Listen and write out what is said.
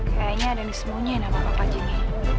kayaknya ada yang disemunyiin sama bapak pajinya